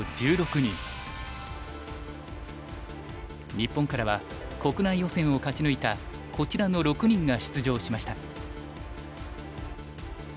日本からは国内予選を勝ち抜いたこちらの６人が出場しました。